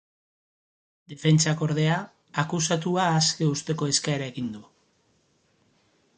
Defentsak, ordea, akusatua aske uzteko eskaera egin du.